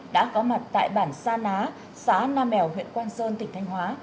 đã có mặt tại bản sa ná xã nam mèo huyện quang sơn tỉnh thanh hóa